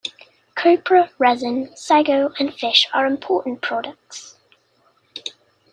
Copra, resin, sago, and fish are important products.